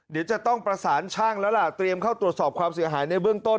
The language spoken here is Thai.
เดี๋ยวจะต้องประสานช่างแล้วล่ะเตรียมเข้าตรวจสอบความเสียหายในเบื้องต้น